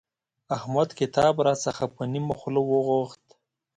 احمد کتاب راڅخه په نيمه خوله وغوښت.